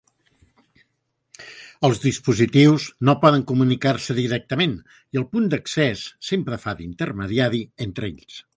Els dispositius no poden comunicar-se directament i el punt d'accés sempre fa d'intermediari entre ells.